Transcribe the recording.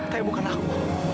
tapi bukan aku